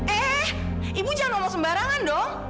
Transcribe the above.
eh ibu jangan ngomong sembarangan dong